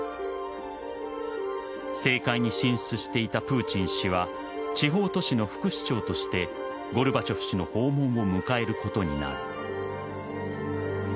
政界に進出していたプーチン氏は地方都市の副市長としてゴルバチョフ氏の訪問を迎えることになる。